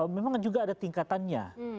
memang juga ada tingkatannya